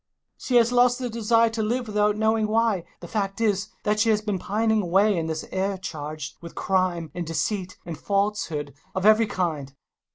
She has lost the desire to live without knowing why The fact is that she has been pining away in this air charged with crime and deceit and falsehood of every kind